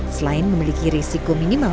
terhadap ancaman bencana